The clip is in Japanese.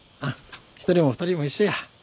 一人も二人も一緒や。